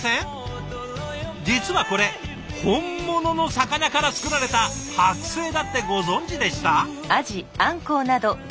実はこれ本物の魚から作られた剥製だってご存じでした？